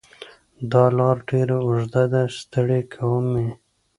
دا لار ډېره اوږده ده ستړی کوی مې